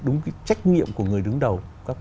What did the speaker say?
đúng cái trách nhiệm của người đứng đầu